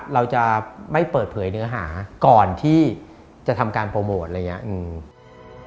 เราจะไม่เปิดเผยเนื้อหาก่อนที่จะทำการโปรโมทอะไรอย่างนี้